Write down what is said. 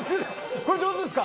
これ、上手ですか？